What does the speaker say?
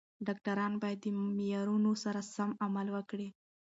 ډاکټران باید د معیارونو سره سم عمل وکړي.